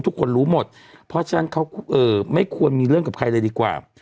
ทุกคนรู้หมดเพราะฉะนั้นเขาไม่ควรมีเรื่องกับใครเลยดีกว่า